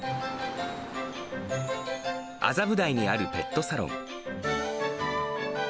麻布台にあるペットサロン。